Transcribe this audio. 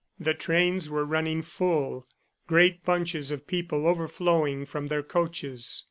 The trains were running full, great bunches of people overflowing from their coaches.